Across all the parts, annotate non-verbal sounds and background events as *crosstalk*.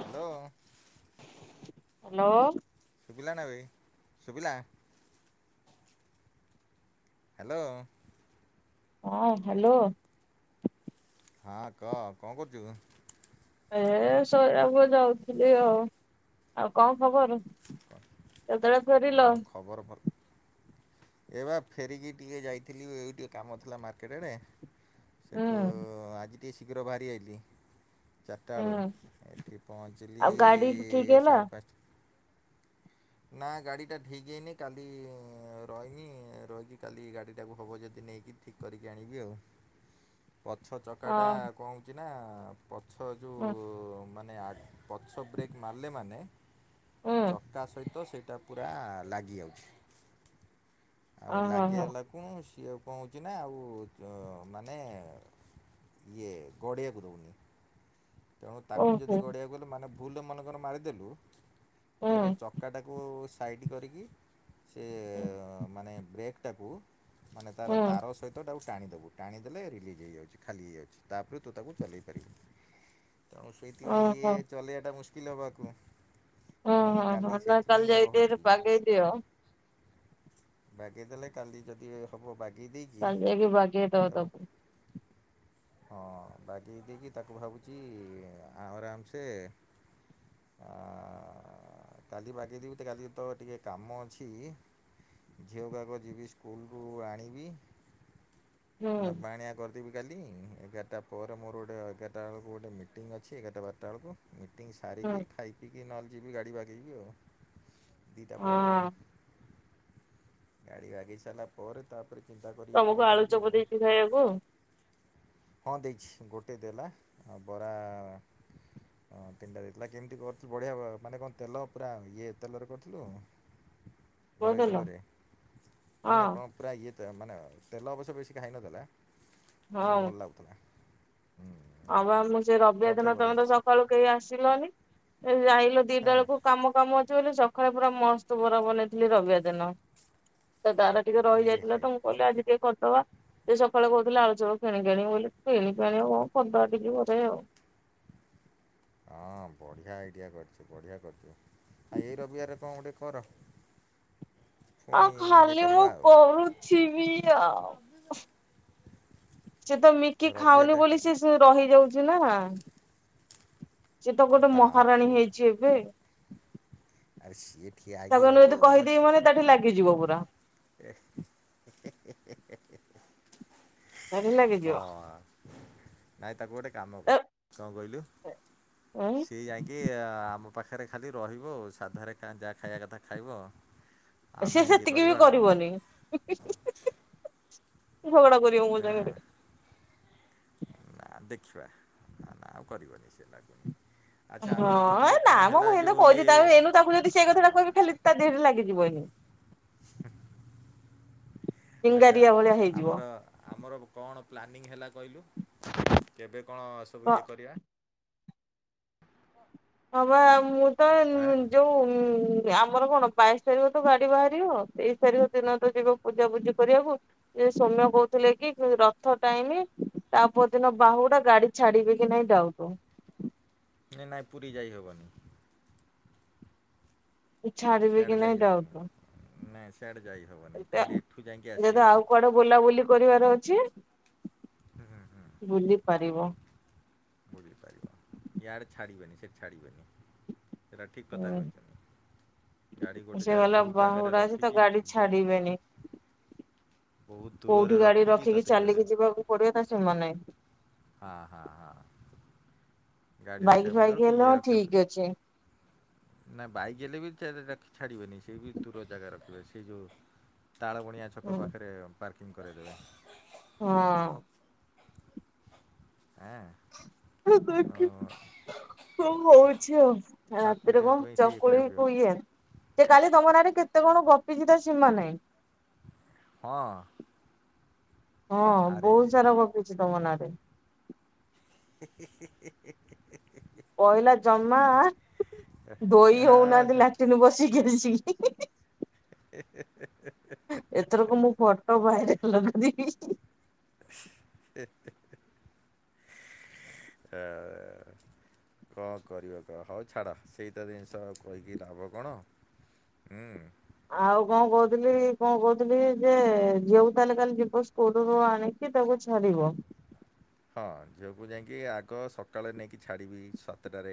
Hello. Hello. ଶୁଭିଲା ନା ବେ ଶୁଭିଲା। ହ୍ୟାଲୋ। ହଁ ହ୍ୟାଲୋ। ହଁ କହ କଣ କରୁଚୁ? ଏ ଶୋଇବାକୁ ଯାଉଥିଲି ଆଉ ଆଉ କଣ ଖବର? କେତେତୋଳେ ଫେରିଲ? ହଁ ଖବର ଭଲ। ଏ ବା ଫେରିକି ଟିକେ ଯାଇଥିଲି ଏଇ ଟିକେ କାମ ଥିଲା ମାର୍କେଟେ ଆଡେ। ହୁଁ ସେଠୁ ଆଜି ଟିକକେ ଶୀଘ୍ର ବାହାରି ଆଇଲିି। ଚାରିଟା ହୁଁ ବେଳକୁ ଏଠି ପହଞ୍ଚିଲି ଆଉ ଗାଡି ଠିକ ହେଲା? ସାଢ଼େ ପାଞ୍ଚଟା। ନା ଗାଡ଼ିଟା ଠିକ୍ ହେଇନି କାଲି ରହିନି ରହିକି କାଲି ଗାଡ଼ିଟାକୁ ହେବ ଯଦି ନେଇକି ଠିକ୍ କରିକି ଆଣିବି ଆଉ। ପଛ ଚକା ଟା ହଁ କଣ ହଉଛି ନା ପଛ ହୁଁ ଯୋଉ ମାନେ ପଛ ବ୍ରେକ୍ ମାରିଲେ ମାନେ ହୁଁ ଚକା ସହିତ ତ ସେଇଟା ପୁରା ଲାଗି ଯାଉଛି ଆଉ ଓହୋ ହୋ ଲାଗିଗଲା କଣ ସିଏ କଣ ହଉଛି ନା ଆଉ ମାନେ ଇଏ ଗଡ଼ିବାକୁ ଦଉନି। ତେଣୁ ହୋ ତାକୁ ଓହୋ ଯଦି ଗଡେଇବାକୁ ହେଲେ ମାନେ ଭୁଲ୍ ମନେଙ୍କର ମାରିଦେଲୁ ତେବେ ହୁଁ ଚ କୁ ସାଇଡ଼୍ କରିକି ସେ ମାନେ ବ୍ରେକ୍ଟାକୁ ମାନେ ତାର ହୁଁ। ତାର ସହିତଟାକୁ ଟାଣିଦବୁ ଟାଣି ଦେଲେ ରିଲିଜ୍ ହେଇଯାଉଛି, ଖାଲି ହେଇ ଯାଉଛି। ତା ପରେ ତୁ ତାକୁ ଚଲେଇ ପାରିବୁ। ତେଣୁ ଓହୋ ସେଇଥିପାଇଁ ଇଏ ଚଲେଇବାଟା ମୁସ୍କିଲ୍ ହେବାକୁ ତେଣୁ ମୁଁ କାଲି। ସେଇଥିପାଇଁ କାଇଜାାଇ ଟିକେ ରହୁଛି। ବାଗାଇଦିଅ। ବାଗେଇ ଦେଲେ କାଲି ଯଦି ବାଗେଇ ଦେଇଚି କାଲି ଯାଇକି ବାଗେଇ ଦବ ତାକୁ ହଁ ବାଗେଇ ଦେଇକି ତାକୁ ଭାବୁଛି ଆରାମ ସେ ଆ। କାଲି ବାଗେଇଦବି ତ କାଲି ଯେତେଳେ ଟିକେ କାମ ଅଛି। ଝିଅ କୁଆଗ ଯିବି ସ୍କୁଲ ରୁ ଆଣିବି ହୁଁ ନେବା ଆଣିବା କରିଦେବି। କାଲି ଏଗାରଟା ପରେ ମୋର ଗୋଟେ ଏଗାରଟା ବେଳକୁ ଗୋଟେ ମିଟିଂ ଅଛି ଏଗାରଟା ବାରଟା ବେଳକୁ। ମିଟିଂ ହୁଁ ସାରିକି ଖାଇ ପିଇକି ନହେଲେ ଯିବି ଗାଡ଼ି ବାକେଇବି ଆଉ। ଦିଇଟା ପରେ ଆଉ ହଁ। ଗାଡ଼ି ବାଗେଇ ସାରିଲା ପରେ ତା ଚିନ୍ତା କରିବିକଣ ତମକୁ ଆଳୁ କରିବି ଚପ ଆଉ। ଦେଇଛି ଖାଇବାକୁ ହଁ ଦେଇଛି ଗୋଟେ ଦେଲା ଆଉ ବରା। ହଁ ତିନଟା ଦେଇଥିଲା କେମିତି କରିଥିଲୁ ବଢିଆ ମାନେ କ ତେଲ ପୁରା ଇଏ ତେଲରେ କରିଥିଲୁ। ଘରୋଇ କହିଦେଲ ତେଲରେ ହଁ ମାନେ କଁ। ପୁରା ଇଏ ତ ମାନେ ତେଲ ଅବଶ୍ୟ ବେଶି ଖାଇନଥିଲା ତେଣୁ ହଁ। ଭଲ ଲାଗୁଥିଲା। ହୁଁ ହଁ ବା ମୁଁ ସେ ରବିବାର ଚପ୍ ଟା ବି ଦିନ ବଢ଼ିଆ ତମେ ତ ଥିଲା। ସକାଳୁ କେହି ଆସିଲନି ସେ ଯାଇଲୁ ଦିଟା ହଁ ବେଳକୁ। କାମ କାମ ଅଛି ବୋଲି ସକାଳେ ପୁରା ମସ୍ତ ବରା ବନେଇଥିଲି ରବିବାର ଦିନ। ବାର ଟିକେ ଏ ରହିଯାଇଥିଲା ହେ ତ ମୁଁ କହିଲି ଆଜି ଟିକେ କରିଦବା ସେ ସକାଳେ କହୁଥିଲେ ଆଳୁ ଚପ କିଣିିକି ଆଣିବବୋଲି କିଣି କିଆଣିବ କଣକରି ଦବା ଟିକେ ବୋଧେ। ହଁ ବଢ଼ିଆ ଆଇଡ଼ିଆ କରିଚି ବଢ଼ିଆ କରିଥିବ ଆଉ ଏଇ ରବିବାରରେ କଣ ଟୋଟେ କର। ହ ପୁଣି ଇଏ ଖାଲି କରିବା ମୁଁ ଆଉ କରୁଛି ବି ଆଉ। ସେ ତ ମିକି ଖାଉନି ରବିବାରଟା ବୋଲି ସେ ରହିଯାଉଛି ନା। ସେ ତ ଗୋଟେ ତାକୁ ମହାରାଣୀ ହେଇଚି ଏବେ। ଆରେ ସିଏ ଠିଆ ହୋଇକି ଏଇନେ ରହିବ ଯଦି ଆଉ କଣ କହିଦେବି ଅଛି। ମାନେ ତାକୁ ଲାଗିଯିବ ପୁରା। ହେ ହେହେହେହେ। ତାାର ଲାଗିଯିବ। ଆ। ନାଇଁ ତାକୁ ଗୋଟେ କାମ ର କଣ କହିଲୁ ଉଁ ସିଏ ଯାଇକି ଆମ ପାଖରେ ଖାଲି ରହିବ ଆଉ ସାଧାରେ ଯାହା ଖାଇବା କଥା ଖାଇବ। ସିଏ ଆମେ ଇଏ ସେତିକି କରିବା ବି ଆଉ କଣ କରିବନିହିଁହଁହଁ ଝଗଡା କରିବ ମୋ ହଁ ସାଙ୍ଗରେ। ନା ଦେଖିବା ନା ନା ଆଉ କରିବନି ସେ ଲାଗୁନି। ଆଚ୍ଛା ଆଉ ଗୋଟେ ହଁ କହୁଥିଲି ନା କଣ ମୁଁ ହେଲା ଏ ଯୋଉ ଇଏ କହୁଚି ତା ଏଇନୁ ତାକୁ ଯଦି ସେଇ କଥାଟା କହିବି ଖାଲି ତା ଦେହରେ ଲାଗିଯିବନି ଏନେ। ଆଚ୍ଛା ଚିଙ୍ଗାରିଆ ଭଳିଆ ହେଇଯିବ। ଆମର ଆମର କଣ ପ୍ଲାନିଂ ହେଲା କହିଲୁ କେବେ କଣ ସବୁ ହଁ ଇଏ କରିବା? ହଁ ପା ମୁଁ ତ ଆଁ ଯୋଉ ହୁଁ ଆମର କଣ ବାଇଶି ତାରିଖ ତ ଗାଡ଼ି ବାହାରିବ, ତେଇଶି ତାରିଖ ଦିନ ତ ଯିବ ପୂଜା ପୂଜି କରିବାକୁ। ସୌମ୍ୟ କହୁଥିଲେ କି ରଥ ଟାଇମ, ତା ପରଦିନ ବାହୁଡା଼ ଗାଡି ଛାଡ଼ିବେ କି ନାଇଁ ଡାଉଟୁ। ନା-ନାଇଁ ପୁରୀ ଯାଇ ହବନି। ଛାଡିବେ କି ସିଆଡ଼େ ଯାଇ ନାଇଁ ହବନି। ଡାଉଟ। ନାଇଁ ସିଆଡ଼େ ଯାଇ ହବନି ଖାଲି ଏଠୁ ଯାଇକି ଯଦି ଆଉ ଆସିହବ। କୁଆଡେ ବୁଲାବୁଲି କରିବାର ଅଛି। ହୁଁ-ହୁଁ। ବୁଲି ପାରିବ। ବୁଲି ପାରିବ। ୟାଡ଼େ ଛାଡ଼ି ବେନି ସେଠି ଛାଡ଼ି ବେନି। ସେଇଟା ଠିକ୍ କଥା କହିଛନ୍ତି। ଗାଡ଼ି ହୁଁ ଗୋଟେ ସେ ଜାଗାରେ କହିଲା ବହୁତ ଜାଗାରେ ବାହୁଡା ଅଛି ତ ରଖିକି ଗାଡି ବୋ ଛାଡିବେନି ବହୁତ୍ ଦୂରରେ ରଖିକି ତତେ ଜରିଆ *unintelligible* ତ ସେମାନେ ଆ ହା-ହା। ଗାଡ଼ି ବାଇକ୍ ରଖିବାକୁ ଫାଇକ୍ ପଡ଼ିବ କି ହେଲେ ଇଏ ହଁ ରଖିବାକୁ ଠିକ୍ ଅଛି। ପଡ଼ିବ। ନା ବାଇକ ହେଲେ ବି ଛାଡ଼ି ବେନି। ସେ ବି ଦୂର ଜାଗା ରଖିବେ। ସେ ଯୋଉ ତାଳବଣିଆ ଛକ ହୁଁ ପାଖରେ ପାର୍କିଂ କରାଇ ଦେବେ। ହଁ। ଆଁ। *unintelligible* କଁ ହଉଛି ଆଉ। ତାକୁ ରାତି ରେ କଣ ସେଥିପାଇଁ ସେ ଇଏ ଚକୁଳି କରିବାକୁ ପଡ଼ିବ କୁ ଇଏ? ସେ କାଲି ତମ ନାଁରେ କେତେ କଣ ଗପିଛି ତାର ସୀମା ନାହିଁ। ହଁ? ହଁ, ଆରେ ବହୁତ ହେଇ ସାରା ଗପିଚି ତମ ନାଁ ରେ। ହି-ହି-ହି-ହି-ହି-ହି। ପହିଲା ଜମା ଧୋଇ ହଉନାହାନ୍ତି ହଁ ଲାଟିନ୍ ବସିକି ଆସିକି ହିଁ-ହିଁ-ହିଁ ଏଥରକ ମୁଁ ଫଟୋ ଭାଇରାଲ କରିବି। ହେ-ହେ-ହେ-ହେ-ଆ କଣ କରିବା କହ ହଉ ଛାଡ଼। ସେଇ ତ ଜିନିଷ ଆଉ କହିକି ଲାଭ କଣ? ହୁଁ। ଆଉ କଣ କହୁଥିଲି କଣ କହୁଥିଲି ଯେ ଝିଅକୁ ତାହେଲେ କାଲି ଯିବ ସ୍କୁଲ୍ ରୁ ଆଣି କି ତାକୁ ଛାଡି଼ବ। *inaudible* ହଁ, ଝିଅକୁ ଯାଇକି ଆଗ ସକାଳେ ନେଇକି ଛାଡ଼ିବି ସାତଟାରେ।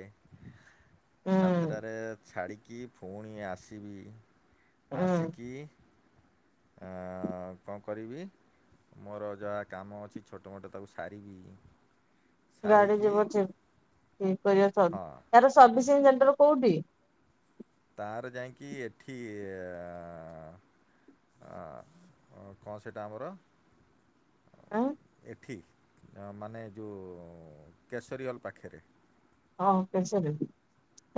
ହୁଁ। ସାତଟାରେ ଛାଡ଼ିକି ପୁଣି ଆସିବି। ହୁଁ ଆସିକି ଆଁ କଣ କରିବି? ମୋର ଯାହା କାମ ଅଛି ଛୋଟ ମୋଟ ତାକୁ ସାରିବି। ଗାଡ଼ି ସାରିକି ଯିବ *unintelligible* ହଁ ଏହାର ସର୍ଭିସିଂ ସେଣ୍ଟର କୋଉଠି? ତାର ଯାଇକି ଏଠି ଆ ଆ କଣ ସେଟା ଆମର ଆଁ ଏଠି ମାନେ ଯୋଉ କେଶରୀୱାଲ ପାଖରେ। ହଁ କେଶରୀ।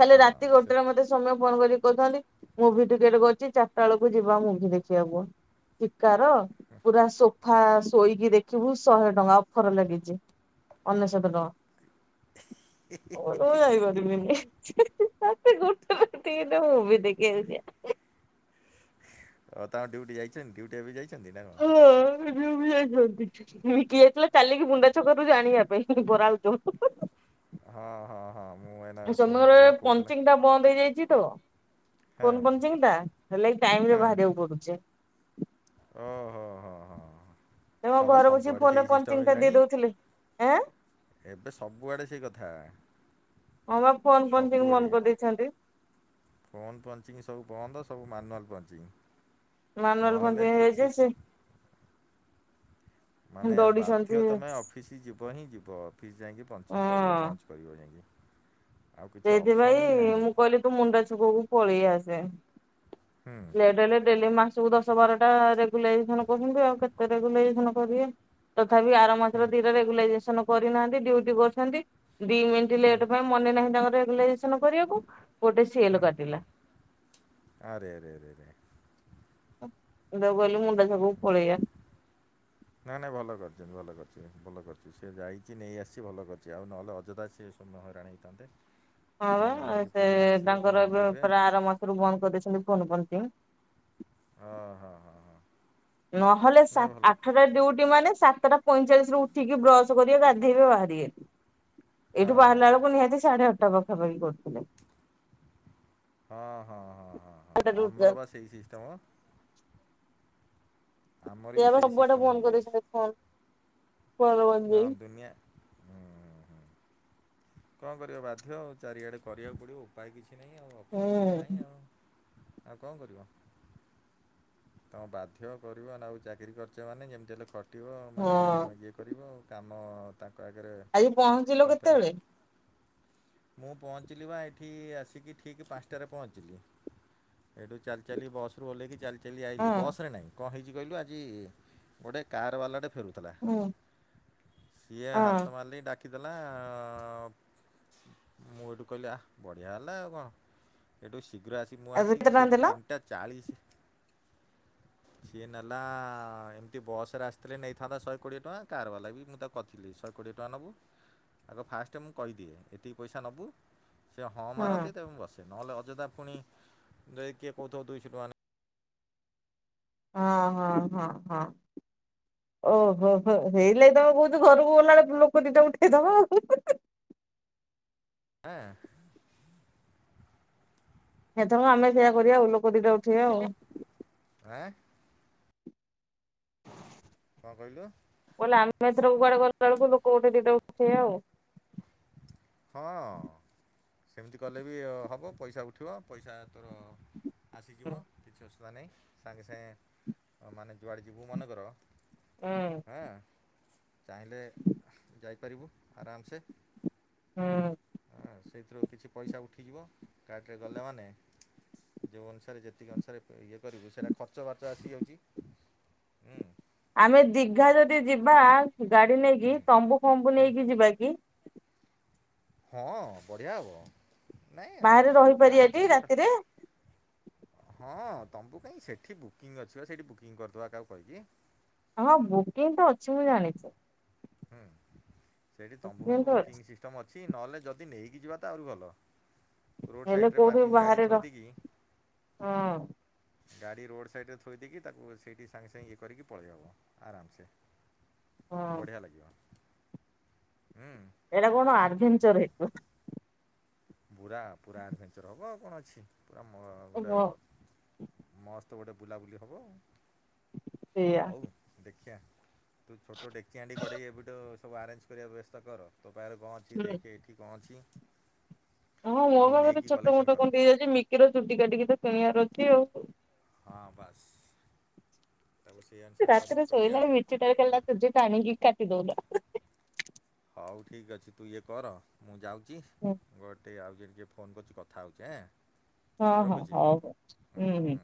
କାଲି ହଁ ରାତି ସେ ଗୋଟେରେ ମତେ ସୌମ୍ୟ ଫୋନ୍ କରିକି କହୁଥାନ୍ତି, ମୁଭି ଟିକେଟ କରିଚି ଚାରିଟା ବେଳକୁ ଯିବା ମୁଭି ଦେଖିବାକୁ। କାର ପୁରା ସୋ ଫା ଶୋଇକି ଦେଖିବୁ ଶହେ ଟଙ୍କା ଅଫର ଲାଗିଛି ଅନେଶୋତ ଟଙ୍କା। ମୁଁ କହିଲି ମୁଁ ଯାଇ ପାରିବିନି। ରାତି ଗୋଟେ ରେ *unintelligible* ମୁଭି ଦେଖିବାକୁ ଯିବା। ଓ ତା ଡିଉଟି ଯାଇଛନ୍ ଡିଉଟି ଏବେ ଯାଇ ଏ ଝିଅ ବି ଯାଇଛନ୍ତି, ମୁଁ କିଏ ଚଲା ଚାଲିକି ବୁଣ୍ଡା ଛକରୁ ଯେ ଆଣିବା ପାଇଁ ବରା ଆଳୁଚପ୍। ହଁ, ହଁ, ହଁ ମୁଁ ଏଇନା ସୌମ୍ୟର ଶୁଣିଥିଲି ଆଉ କହୁଥୁଲା ପଞ୍ଚିଙ୍ଗ ଟା ବନ୍ଦ ହେଇଯାଇଛି ତ ଫୋନ୍ ପଞ୍ଚିଂ ଟା ହେଲେ କି ଟାଇମ୍ ହଁ ରେ ବାହାରିବାକୁ ପଡୁଛି। ଓହୋ, ହଁ, ହଁ, ହଁ। ତମ ହଁ ପା ଘରେ ସବୁ ବସିକି ଆଡେ ଫୋନ ରେ ସେଇ ସିଷ୍ଟମ୍ ପଞ୍ଚିଂ ଟା ଦେଇ ହେଇଗଲାଣି। ଦଉଥିଲେ। ଏଁ ଏବେ ସବୁଆଡେ ସେଇ କଥା। ହଁ ବା ଫୋନ୍ ପଞ୍ଚିଂ ସବୁଆଡ଼େ ବନ୍ଦ କରିଦେଇଛନ୍ତି। ଫୋନ୍ ପଞ୍ଚିଙ୍ଗ ସବୁ ବନ୍ଦ ସବୁ ମାନୁଆଲ୍ ପଞ୍ଚିଙ୍ଗ, ମାନୁଆଲ ନହେଲେ ପଞ୍ଚିଂ ହେଇଯାଇଛି କିଛି ସେ ମାନେ ଦୌଡିଛନ୍ତି ବାଧ୍ୟ ହଁ। ତୋମେ ଅ ଫିସି ଯିବ ହିଁ ଯିବ ଅଫିସ୍ ଯାଇକି ପଞ୍ଚିଙ୍ଗ କରିବ, ପଞ୍ଚ୍ କରିବ ଯାଇକି। ଆଉ କିଛି ଅପସନ୍ ହିଁ ସେଇଥିପାଇଁ ନାହିଁ ମୁଁ କହିଲି ତୁ ମୁଣ୍ଡା ଛୁକକୁ ପଳି ଆସେ। ହୁଁ ଲେଟ୍ ହେଲେ ଡେଲି ମା ଯୋଉ ଦଶ ବାର ଟା ରେଗୁଲାଇଜେସନ୍ କରୁଛନ୍ତି ଆଉ କେତେ ରେଗୁଲାଇଜେସନ୍ କରିବେ ତଥାବି ଆରମ୍ ହୁଁ ମଝିରେ ଦିଟା ରେଗୁଲାଇଜେସନ୍ କରିନାହାନ୍ତି ଡ୍ୟୁଟି କରିଛନ୍ତି। ଦି ମିନିଟ୍ ହୁଁ ଲେଟ୍ ପାଇଁ ମନେ ନାହିଁ ତାଙ୍କର ରେଗୁଲାଇଜେସନ୍ କରିବାକୁ ଗୋଟେ ସି ଏଲ୍ ହୁଁ କାଟିଲା। ଆରେ, ଆରେ, ଆରେ, ଆରେ। ମୁଁ ତାଙ୍କୁ କହିଲି ମୁଣ୍ଡା ଛକ କୁ ପଳେଇଆ। ନା ନା ଭଲ କରିଛନ୍ତି, ଭଲ କରିଛି ଯେ, ଭଲ କରିଛି ସିଏ ଯାଇଛି ନେଇଆସିଛି ଭଲ କରିଛି ଆଉ ନହେଲେ ଅଯଥା ସେ ତୋମେ ହଇରାଣ ହେଇଥାନ୍ତେ। ହଁ ବା ହଇରାଣ ଅ, ହେଇକି ସେ ପୁଣି ଆସିବେ ପୁଣି ତାଙ୍କର ଏବେ ଯିବେ ପୁରା ଆର ମାସରୁ ବନ୍ଦ କରିଦେଇଛନ୍ତି ଫୋନ୍ ପଞ୍ଚିଙ୍ଗ। ହଁ, ହଁ, ହଁ, ହଁ। ନହେଲେ ସା, ନାଇଁ ଭଲ ଆଠଟା ଡିଉଟି ମାନେ ସା ସାତଟା ପଇଁଚାଳିଶ ରୁ ଉଠିକି ବ୍ରଶ୍ କରିବେ ଗାଧେଇବେ ବାହାରିବେ। ଏଇଠୁ ହଁ ହଁ ବାହାରିଲା ହଁ ବେଳକୁ ନିହାତି ସାଢେ ଆଟା ପାଖାପାଖି କରୁଥିଲେ। ହଁ, ହଁ, ହଁ, ହଁ, ହଁ ଆମର ବା ସେଇ ସିଷ୍ଟମ୍। ଆମର ବି ସେଇଆ ପା ସେଇ ସବୁଆଡେ ସିଷ୍ଟମ ବନ୍ଦ ହେଇଯାଇଛି କରିଦେଇଛନ୍ତି ଏ ହଁ ଫୋନ୍ *inaudible* ଦୁନିଆ ହୁଁ ହୁଁ କଣ କରିବା ବାଧ୍ୟ ଆଉ ଚାରିଆଡ଼େ କରିବାକୁ ପଡ଼ିବ ଉପାୟ କିଛି ନାହିଁ ଆଉ ଅପସନ୍ କିଛି ନାହିଁ ହୁଁ ଆଉ। ଆଉ କଣ କରିବ। ତୋମ ବାଧ୍ୟ କରିବ ନା ଆଉ ଚାକିରି କରିଚ ମାନେ ଯେମିତି ହେଲେ ଖ ଟିବ ମାନେ ହଁ ଇଏ କରିବ, କାମ ତାଙ୍କ ଆଗରେ ଆଜି ପହଞ୍ଚିଲ କମ୍ପାନୀ କେତେବେଳେ ମୁଁ ପହଞ୍ଚିଲି ବା ଏଠି ଆସିକି ଠିକ ପାନ୍ସଟାରେ ପହଞ୍ଚିଲି। ଏଠୁ ଚାଲି ଚାଲି ବସ୍ ରୁ ଓହ୍ଲେଇକି ଚାଲି ଚାଲି ହଁ ଆଇଲିି ବସ୍ ରେ ନାହିଁ କଣ ହେଇଚି କହିଲୁ ଆଜି ଗୋଟେ କାର୍ ବାଲା ଟେ ଫେରୁ ଥିଲା ହଁ ସିଏ ହଁ ହାତ ମାରଲି ଡାକିଦେଲା ଅ, ହଁ ମୁଁ ଏଇଠୁ କହିଲି ଆ, ବଢିଆ ହେଲା ଆଉ କଣ। ସେଇଠୁ ଶୀଘ୍ର ଆସିି ମୁଁ ଆଉ କେତେ ଆସିକି ଟଙ୍କା ସେଇଠି ଦେଲ ତିନିଟା ଚାଳିଶ। ସିଏ ନେଲା ଏମିତି ବସ୍ ରେ ଆସିଥିଲେ ନେଇଥାନ୍ତା ଶହେ କୋଡିଏ ଟଙ୍କା, କାର୍ ବାଲା ବି ମୁଁ ତା କରିଥିଲି ଶହେ କୋଡ଼ିଏ ଟଙ୍କା ନବୁ ଆଗ ଫାଷ୍ଟ ସେ ମୁଁ କହିଦିଏ ଏତିକି ପଇସା ନବୁ ସେ ହଁ ମାରନ୍ତି ତେବେ ମୁଁ ବସେ। ନହେଲେ ଅଯଥା ପୁଣି ଯଦି କିଏ କହୁଥୁବ ଦୁଇଶହ ଟଙ୍କା ନେ ହଁ, ହଁ, ହଁ, ହଁ। ଓ, ହୋ, ହୋ ସେଇଥିଲାଗି ତୋମେ କହୁଚ ଘରକୁ ଗଲା ବେଳେ ଲୋକ ଦିଟା ଉଠେଇଦବା ଆଉ। ହଁ। ଏଥରକ ଆମେ ସେୟଆ କରିବା ଆଉ ଲୋକ ଦିଟା ଉ ଠେ ଆଉ। ଏଁ କଣ କହିଲୁ? କହିଲା ଆମେ ଏଥର କୁଆଡେ଼ ଗଲା ବେଳକୁ ଲୋକ ଗୋଟେ ଦିଟା ଉଠେଇଆ ଆଉ ହଁ ଅ। ସେମିତି କଲେ ବି ହେବ। ପଇସା ଉଠିବ ପଇସା ଏଥର ହୁଁ ଆସିଯିବ କିଛି ଅସୁବିଧା ନାହିଁ ସାଙ୍ଗେ ସାଙ୍ଗେ ମାନେ ଯୁଆଡ଼େ ଯିବୁ ମନେକର। ହଁ ଚାହିଁଲେ ଯାଇପାରିବୁ। ଆରାମ ସେ ହୁଁ। ସେଇଥିରୁ କିଛି ପଇସା ଉଠିଯିବ କାର୍ଟେରେ ଗଲା ମାନେ ଯେଉଁ ଅନୁସାରେ ଯେତିକ ଅନୁସାରେ ଇଏ କରିବୁ ସେଇଟା ଖର୍ଚ୍ଚ ବାର୍ଚ୍ଚ ଆସିଯାଉଛି। ଆମେ ଦୀଘା ଯଦି ଯିବା ଗାଡି ନେଇକି ହୁଁ ତମ୍ବୁ ଫମ୍ବୁ ହୁଁ ନେଇକି ଯିବା କି? ହଁ ବଢିଆ ହବ। ବାହାରେ ରହିପାରିବାଯେ ଆଜି ରାତିରେ ହଁ ତମୁ କାଇହିଁ ସେଇଠି ବୁକିଂ ଅଛି। ବା ସେଇଠି ବୁକିଂ କରିଦେବା କାହାକୁ କହିକି ହଁ ବୁକିଂ ତ ଅଛି ମୁଁ ଜାଣିଛି। ହୁଁ ସେଇଠି ତମ୍ବୁ ତ ଅଛି ବୁକିଂ ସିଷ୍ଟମ୍ ଅଛି ନହେଲେ ଯଦି ନେଇକି ଯିବା ତା ଆହୁରି ଭଲ। ରୋଡ ହେଲେ ସାଇଡରେ କୋଉଠି ପାର୍କିଂ ଗାଡ଼ି ବାହାରେ ଥୋଇ ରହ ଦେଇକି ହଁ ଗାଡ଼ି ରୋଡ଼ ସାଇଡ଼ରେ ଥୋଇ ଦେଇକି ତାକୁ ସେଇଠି ସାଙ୍ଗେ ସାଙ୍ଗେ ଇଏ କରିକି ପଳେଇହେବ ଆରାମସେ। ହଁ ବଢିଆ ଲାଗିବ। ହୁଁ ଏଟା କଣ ଆଢଭେଣ୍ଚର ହେଇଥିବ। ପୁରା ପୁରା ଆଡ଼ଭେଞ୍ଚର ହେବ ଆଉ କଣ ଅଛି। ପୁରା ମ ଗୋଟେ ହଁ ମସ୍ତ ଗୋଟେ ବୁଲା ବୁଲି ହବ ସେଇଆ। ହଉ ଦେଖିଆ ତୁ ଛୋଟ ଦେକ୍ଚିହାଣ୍ଡି କଡେହି ଏବେଠୁ ସବୁ ଆରେଞ୍ଜ କରିବା ବ୍ୟବସ୍ଥା କର ତୋ ପାଖ କଣ ଅଛି ଦେଖି। ଏଠ୍ କଣ ଅଛି? ହଁ ମୋ ସବୁ ପାଖରେ ନେଇକି ଛୋଟ କଲେକ୍ସନ୍ ମୋଟ କର କଣ୍ଡି ହୋଇଯାଇଛି ମିକି ର ଚୁଟି କାଟିକି ତ କିଣିବାର ଅଛି ଆଉ ହଉ। ହଁ ବାସ୍। ତାକୁ ସେଇଆ ଅନୁସାରେ କରିକି କରିବା ଆଉ। କେଲ୍ କେଲ୍ ରାତି ଯେଣ୍ଟା ହେଇକି କାଟି ଦଉଛ। ହଉ ଠିକ୍ ଅଛି ତୁ ଇଏ କର ମୁଁ ଯାଉଛି ଗୋଟେ ଆଉ ଯେ ଯେ ଫୋନ୍ କରୁଛୁ କଥା ହେଉଛେଁ ହଁ ହଁ ହଉ ହଉ ହୁଁ ହୁଁ।